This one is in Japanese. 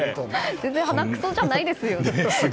全然ハナクソじゃないですよね。